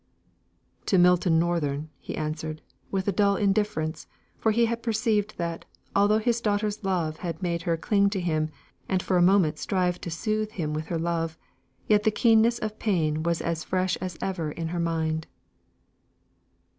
"To Milton Northern," he answered, with a dull indifference, for he had perceived that, although his daughter's love had made her cling to him, and for a moment strive to soothe him with her love, yet the keenness of the pain was as fresh as ever in her mind.